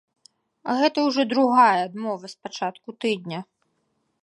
Гэта ўжо другая адмова з пачатку тыдня.